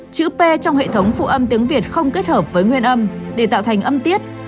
chữ p trong hệ thống phụ âm tiếng việt không kết hợp với nguyên âm để tạo thành âm tiết